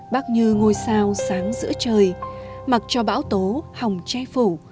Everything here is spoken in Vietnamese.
bác như ngôi sao sáng giữa trời mặc cho bão tố hồng che phủ